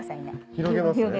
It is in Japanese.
広げますね。